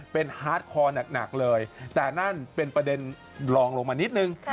เป็นฮาร์ดคอร์หนักเลยแต่นั่นเป็นประเด็นลองลงมานิดนึง